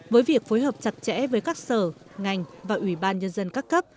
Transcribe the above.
với việc phối hợp chặt chẽ với các sở ngành và ủy ban nhân dân các cấp